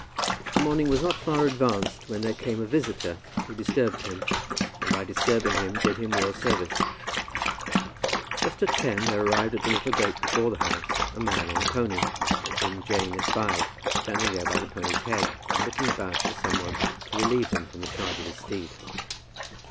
But the morning was not far advanced, when there came a visitor who disturbed him, and by disturbing him did him real service. Just at ten there arrived at the little gate before the house a man on a pony, whom Jane espied, standing there by the pony's head and looking about for some one to relieve him from the charge of his steed.